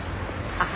あっ。